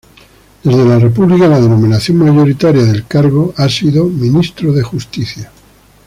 Desde la república la denominación mayoritaria del cargo ha sido Ministro de Justicia.